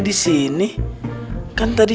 disini kan tadi